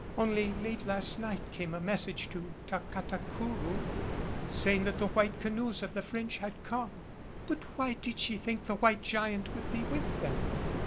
Only late last night came a message to Tacatacourou, saying that the White Canoes of the French had come." "But why did she think the White Giant would be with them?"